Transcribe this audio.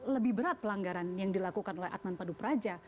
lebih berat pelanggaran yang dilakukan oleh adnan pandu praja